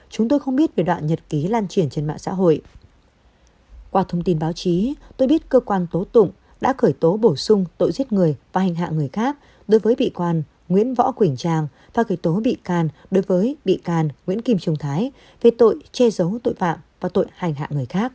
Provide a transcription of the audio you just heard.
công an tp hcm cũng có quyết định khởi tố bị can lệnh tạm giam đối với nguyễn võ quỳnh tràng và khởi tố bị can đối với nguyễn kim trung thái về tội che giấu tội phạm và tội hành hạ người khác